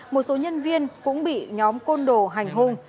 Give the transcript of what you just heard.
một số nhân viên cũng bị nhóm côn đồ hành hung